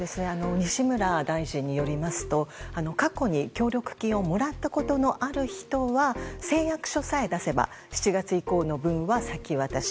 西村大臣によりますと過去に協力金をもらったことのある人は誓約書さえ出せば７月以降の分は先渡し。